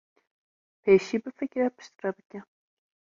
pêşî bifikire piştre bike